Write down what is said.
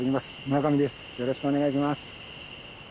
よろしくお願いします。